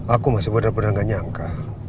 aku masih bener bener gak nyangka